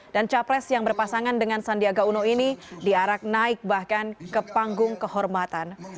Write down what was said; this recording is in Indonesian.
dan capres yang berpasangan dengan sandiaga uno ini diarak naik bahkan ke panggung kehormatan